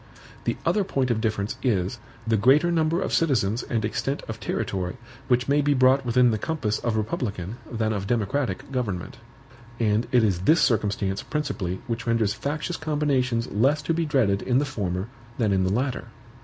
The other point of difference is, the greater number of citizens and extent of territory which may be brought within the compass of republican than of democratic government; and it is this circumstance principally which renders factious combinations less to be dreaded in the former than in the latter.